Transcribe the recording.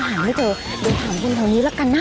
หาไม่เจอเดี๋ยวถามคนแถวนี้ละกันนะ